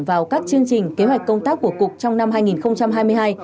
vào các chương trình kế hoạch công tác của cục trong năm hai nghìn hai mươi hai